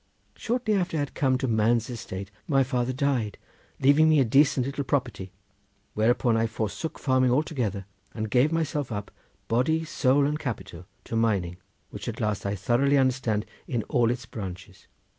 Shortly after I had come to man's estate my father died leaving me a decent little property, whereupon I forsook farming altogether and gave myself up, body, soul and capital, to mining, which at last I thoroughly understood in all its branches.